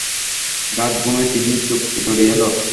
গাঢ় ঘুমে তিন্নির চোখ জড়িয়ে এল।